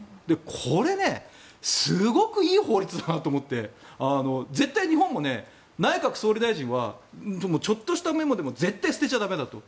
これはすごくいい法律だなと思って絶対日本も内閣総理大臣はちょっとしたメモでも絶対に捨てちゃ駄目だと。